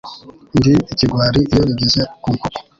Ndi ikigwari iyo bigeze ku nkoko.